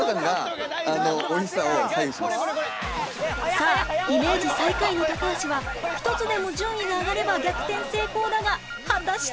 さあイメージ最下位の高橋は１つでも順位が上がれば逆転成功だが果たして？